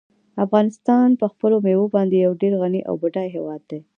افغانستان په خپلو مېوو باندې یو ډېر غني او بډای هېواد دی.